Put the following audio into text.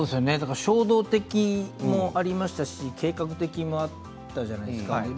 衝動的もありましたし計画的もあったじゃないですか。